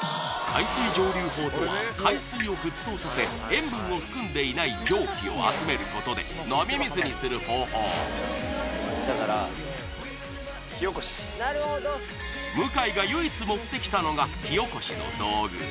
海水蒸留法とは海水を沸騰させ塩分を含んでいない蒸気を集めることで飲み水にする方法なるほど向井が唯一持ってきたのが火おこしの道具